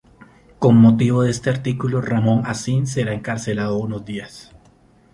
Con motivo de este artículo Ramón Acín será encarcelado unos días.